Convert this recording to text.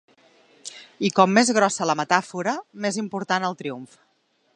I com més grossa la metàfora, més important el triomf.